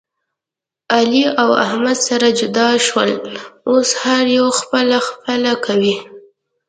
علي او احمد سره جدا شول. اوس هر یو خپله خپله کوي.